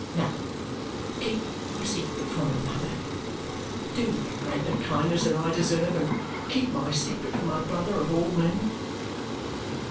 No, keep my secret from him, mother; do me a greater kindness than I deserve and keep my secret from my brother, of all men."